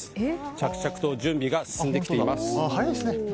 着々と準備が進んできています。